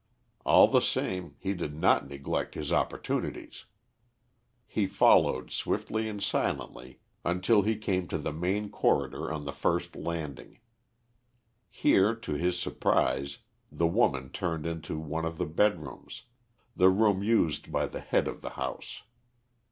All the same, he did not neglect his opportunities. He followed swiftly and silently until he came to the main corridor on the first landing. Here, to his surprise, the woman turned into one of the bed rooms, the room used by the head of the house.